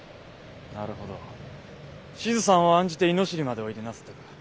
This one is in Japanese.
なるほど志津さんを案じて猪尻までおいでなさったか。